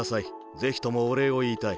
ぜひともおれいをいいたい。